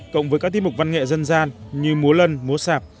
cộng với các tiết mục văn nghệ dân gian như múa lân múa sạp